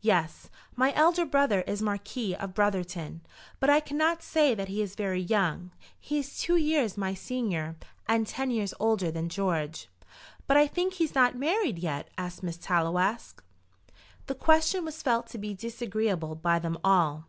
"Yes; my elder brother is Marquis of Brotherton, but I cannot say that he is very young. He is two years my senior, and ten years older than George." "But I think he's not married yet?" asked Miss Tallowax. The question was felt to be disagreeable by them all.